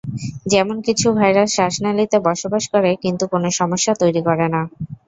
যেমন কিছু ভাইরাস শ্বাসনালিতে বসবাস করে, কিন্তু কোনো সমস্যা তৈরি করে না।